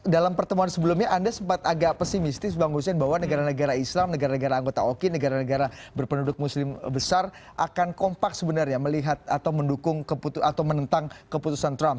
dalam pertemuan sebelumnya anda sempat agak pesimistis bang hussein bahwa negara negara islam negara negara anggota oki negara negara berpenduduk muslim besar akan kompak sebenarnya melihat atau mendukung atau menentang keputusan trump